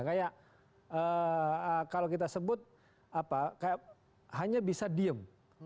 kayak kalau kita sebut hanya bisa diem